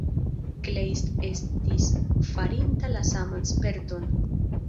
Kleist estis farinta la saman sperton.